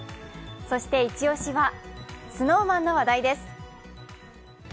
そして一押しはＳｎｏｗＭａｎの話題です。